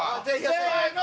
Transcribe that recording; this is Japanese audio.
せの。